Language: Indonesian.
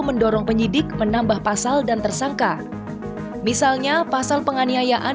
mendorong penyidik menambah pasal dan tersangka misalnya pasal penganiayaan